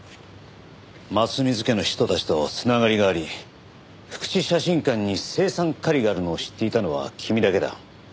松水家の人たちと繋がりがあり福地写真館に青酸カリがあるのを知っていたのは君だけだ。